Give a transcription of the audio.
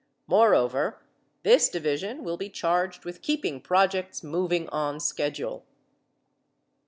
Moreover, this Division will be charged with keeping projects moving on schedule.